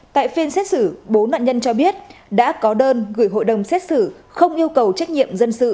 tại phiên xét xử bốn nạn nhân cho biết đã có đơn gửi hội đồng xét xử không yêu cầu trách nhiệm dân sự